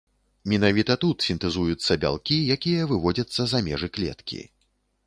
Менавіта тут сінтэзуюцца бялкі, якія выводзяцца за межы клеткі.